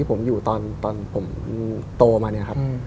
ที่ผมอยู่ตอนผมโตมา